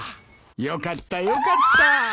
よかったよかった。